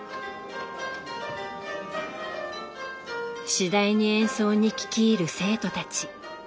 次第に演奏に聞き入る生徒たち。